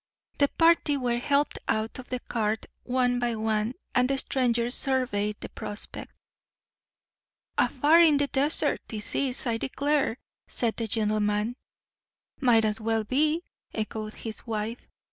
The party were helped out of the cart one by one, and the strangers surveyed the prospect. "'Afar in the desert,' this is, I declare," said the gentleman. "Might as well be," echoed his wife.